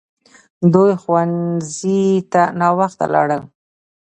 دوی ښوونځي ته ناوخته لاړل!